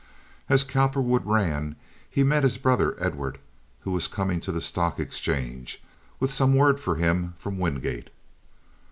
As Cowperwood ran he met his brother Edward, who was coming to the stock exchange with some word for him from Wingate.